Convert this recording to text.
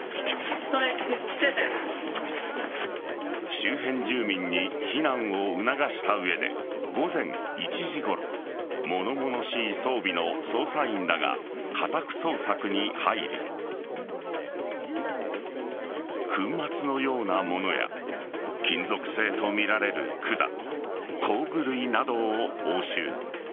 周辺住民に避難を促した上で午前１時ごろ物々しい装備の捜査員らが家宅捜索に入り粉末のようなものや金属製とみられる管工具類などを押収。